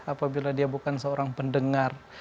apabila dia bukan seorang pendengar